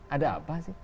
ada apa sih